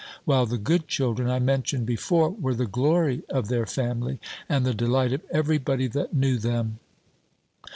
While the good children I mentioned before, were the glory of their family, and the delight of every body that knew them."